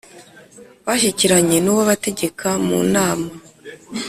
Bashyikiranye n'uwabategekaga mu nama